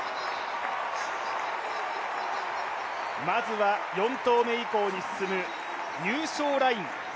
まずは４投目以降に進む入賞ライン